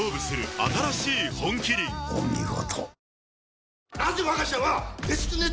お見事。